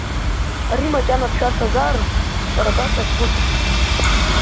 Ари макьана дшәарҭазаарым, сара баша сгәы сышьҭит.